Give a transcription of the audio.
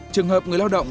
trường hợp người lao động